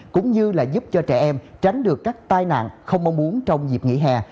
cũng như là giúp cho trẻ em tránh được các tai nạn không mong muốn trong dịp nghỉ hè